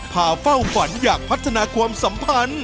เฝ้าฝันอยากพัฒนาความสัมพันธ์